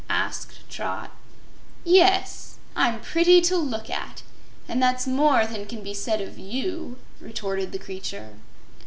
asked Trot. "Yes, I'm pretty to look at, and that's more than can be said of you," retorted the creature.